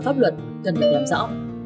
pháp luật cần được làm rõ